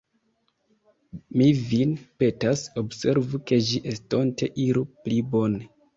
Mi vin petas, observu, ke ĝi estonte iru pli bone.